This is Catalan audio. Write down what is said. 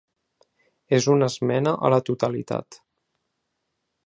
És una esmena a la totalitat.